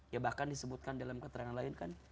ya bahkan disebutkan dalam keterangan lain kan